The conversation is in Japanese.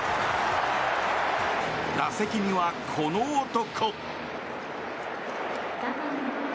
打席には、この男。